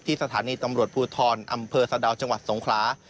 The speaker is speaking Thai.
สถานีตำรวจภูทรอำเภอสะดาวจังหวัดสงขลา